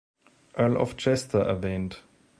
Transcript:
Earl of Chester erwähnt.